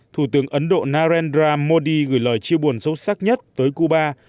thủ tướng ấn độ narendra modi gửi lời chia buồn sâu sắc nhất tới cuba